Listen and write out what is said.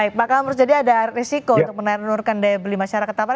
baik maka harusnya ada risiko untuk menaik menurunkan daya beli masyarakat apa